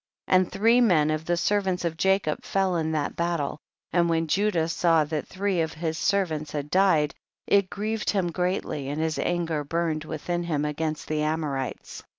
8. And three men of the servants of Jacob fell in that battle, and when Judah saw that three of his ser vants had died, it grieved him greatly, and his anger burned within him against the Amorites.